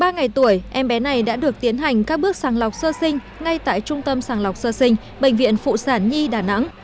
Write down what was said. trong ba ngày tuổi em bé này đã được tiến hành các bước sàng lọc sơ sinh ngay tại trung tâm sàng lọc sơ sinh bệnh viện phụ sản nhi đà nẵng